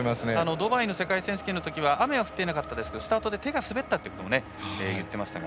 ドバイの世界選手権のとき雨は降っていなかったですけどスタートで手が滑ったと言っていましたが。